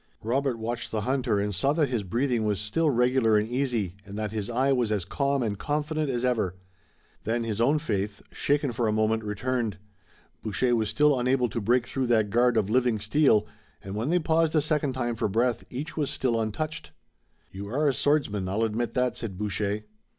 Robert watched the hunter and saw that his breathing was still regular and easy, and that his eye was as calm and confident as ever. Then his own faith, shaken for a moment, returned. Boucher was still unable to break through that guard of living steel, and when they paused a second time for breath each was still untouched. "You are a swordsman, I'll admit that," said Boucher.